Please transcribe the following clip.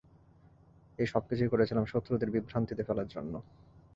এই সবকিছুই করেছিলাম শত্রুদের বিভ্রান্তিতে ফেলার জন্য।